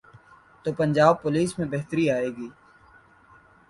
تو پنجاب پولیس میں بہتری آئے گی۔